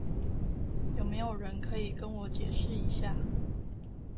有沒有人可以跟我解釋一下